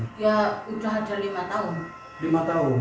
ya udah ada lima tahun